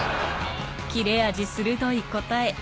切れ味鋭い答え。